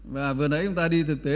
và vừa nãy chúng ta đi thực tế